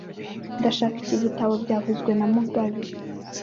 Ndashaka iki gitabo byavuzwe na mugabe